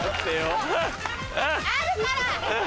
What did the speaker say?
あるから！